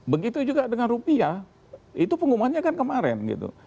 begitu juga dengan rupiah itu pengumumannya kan kemarin gitu